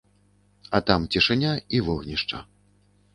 А там цішыня і вогнішча.